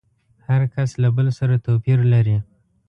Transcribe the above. هر کس له بل سره توپير لري.